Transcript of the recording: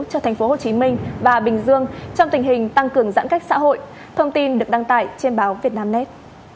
cho thành phố hồ chí minh và bình dương trong tình hình tăng cường giãn cách xã hội thông tin được đăng tải trên báo vietnamnet